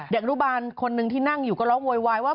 อนุบาลคนหนึ่งที่นั่งอยู่ก็ร้องโวยวายว่า